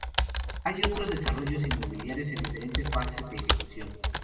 Hay otros desarrollos inmobiliarios en diferentes fases de ejecución.